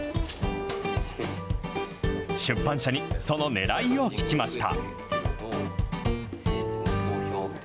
出版社にそのねらいを聞きました。